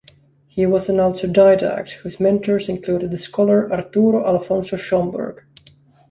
He was an autodidact whose mentors included the scholar Arturo Alfonso Schomburg.